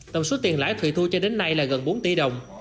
tổng suốt tiền lãi thụy thu cho đến nay là gần bốn tỷ đồng